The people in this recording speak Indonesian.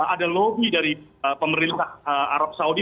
ada lobby dari pemerintah arab saudi